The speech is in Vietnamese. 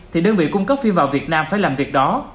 thì đơn vị cung cấp phim vào việt nam phải làm việc đó